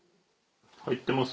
入ってます？